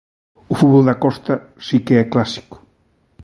O fútbol da Costa si que é clásico.